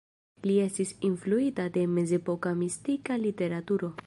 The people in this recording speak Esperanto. Li estis influita de mezepoka mistika literaturo.